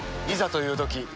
いざというとき